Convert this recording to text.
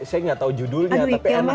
saya nggak tahu judulnya tapi enak